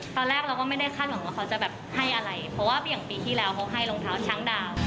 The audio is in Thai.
ตอนแรกเราก็ไม่ได้คาดหวังว่าเขาจะแบบให้อะไรเพราะว่าอย่างปีที่แล้วเขาให้รองเท้าช้างดาว